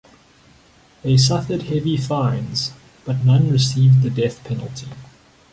They suffered heavy fines, but none received the death penalty.